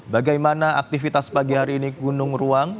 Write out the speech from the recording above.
bagaimana aktivitas pagi hari ini gunung ruang